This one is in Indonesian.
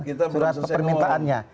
kita belum selesai ngomongin ini